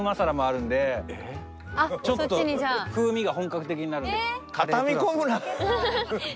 ちょっと風味が本格的になるんで。